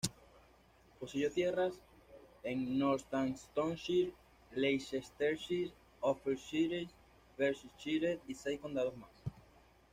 Poseyó tierras en Northamptonshire, Leicestershire, Oxfordshire, Bedfordshire y seis condados más.